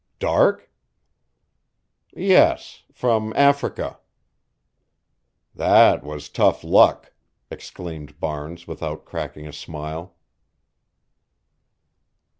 "Dark?" "Yes, from Africa." "That was tough luck!" exclaimed Barnes without cracking a smile.